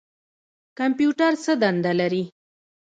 کمپیوټر څه دنده لري؟